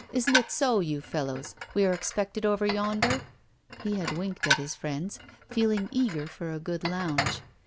Isn't it so, you fellows, we are expected over yonder?' He had winked at his friends, feeling eager for a good lounge.